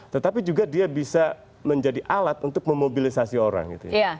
tetapi juga dia bisa menjadi alat untuk memobilisasi orang gitu ya